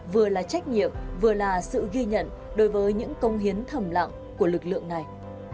vừa là trách nhiệm vừa là sự ghi nhận đối với những công hiến thầm lặng của lực lượng này